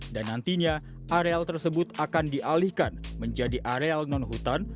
dan nantinya areal tersebut akan dialihkan menjadi areal non hutan